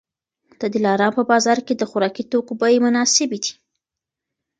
د دلارام په بازار کي د خوراکي توکو بیې مناسبې دي